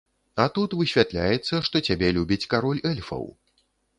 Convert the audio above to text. А тут высвятляецца, што цябе любіць кароль эльфаў!